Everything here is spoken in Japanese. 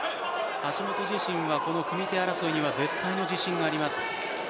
橋本自身は組み手争いには絶対の自信があります。